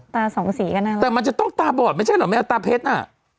ตาสองสีก็น่ารักแต่มันจะต้องตาบอดไม่ใช่หรอแมวตาเพชรน่ะ